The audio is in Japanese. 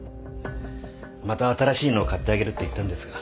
また新しいのを買ってあげるって言ったんですが。